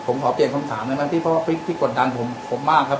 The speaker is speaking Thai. ผมขอเปลี่ยนคำถามได้ไหมพี่เพราะว่าพี่กดดันผมมากครับ